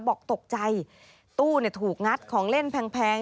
บอกตกใจตู้ถูกงัดของเล่นแพง